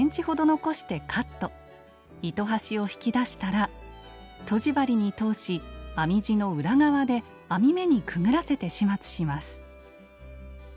糸端を引き出したらとじ針に通し編み地の裏側で編み目にくぐらせて始末します。